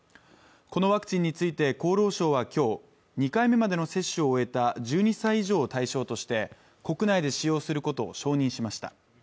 このワクチンについて厚労省は今日、２回目までの接種を終えた１２歳以上を対象として国内で使用することを承認しました。